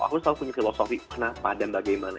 aku selalu punya filosofi kenapa dan bagaimana